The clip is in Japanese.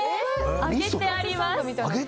揚げてあります。